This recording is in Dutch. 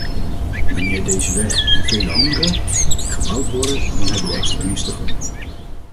Wanneer deze weg, en vele anderen, gebouwd worden, dan hebben de extremisten gewonnen.